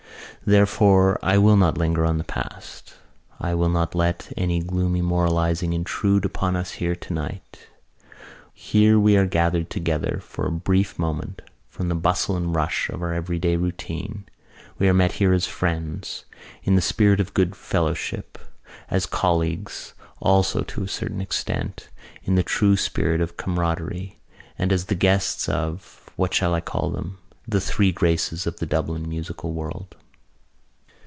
"Therefore, I will not linger on the past. I will not let any gloomy moralising intrude upon us here tonight. Here we are gathered together for a brief moment from the bustle and rush of our everyday routine. We are met here as friends, in the spirit of good fellowship, as colleagues, also to a certain extent, in the true spirit of camaraderie, and as the guests of—what shall I call them?—the Three Graces of the Dublin musical world."